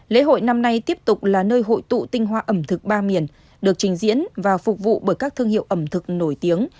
lễ hội năm nay tiếp tục là nơi hội tụ tinh hoa ẩm thực ba miền được trình diễn và phục vụ bởi các thương hiệu ẩm thực nổi tiếng